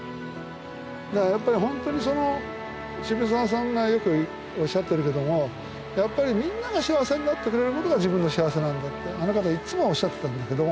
だからやっぱり本当にその渋沢さんがよくおっしゃってるけどもやっぱりみんなが幸せになってくれることが自分の幸せなんだってあの方はいっつもおっしゃってたんだけども。